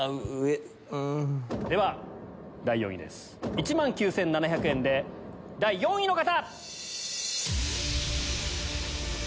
１万９７００円で第４位の方！